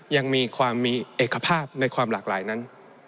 ยังมีความมีเอกภาพในความหลากหลายนั้น